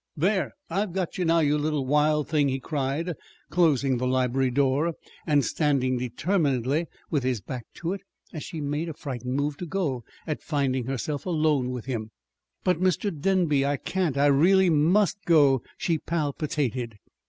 "There, I've got you now, you little wild thing!" he cried, closing the library door, and standing determinedly with his back to it, as she made a frightened move to go, at finding herself alone with him. "But, Mr. Denby, I can't. I really must go," she palpitated.